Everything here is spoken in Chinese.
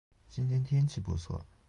今天天气不错